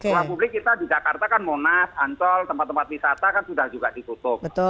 ruang publik kita di jakarta kan monas ancol tempat tempat wisata kan sudah juga ditutup